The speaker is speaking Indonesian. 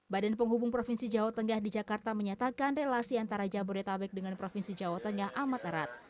badan penghubung provinsi jawa tengah di jakarta menyatakan relasi antara jabodetabek dengan provinsi jawa tengah amat erat